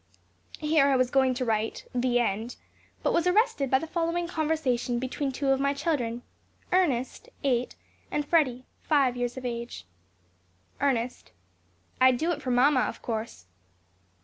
Here I was going to write, THE END; but was arrested by the following conversation between two of my children, Ernest, eight, and Freddy, five years of age. Ernest. I'd do it for mamma, of course.